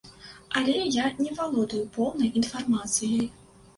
Але я не валодаю поўнай інфармацыяй.